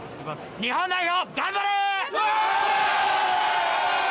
日本代表、頑張れ！